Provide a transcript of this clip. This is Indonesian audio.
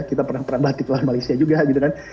kita pernah pernah batik di malaysia juga gitu kan